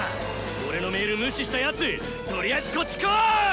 俺のメール無視したやつとりあえずこっち来ぉい！